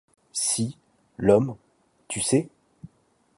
Si, l'Homme, tu sais?